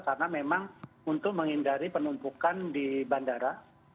karena memang untuk menghindari penumpukan di bandara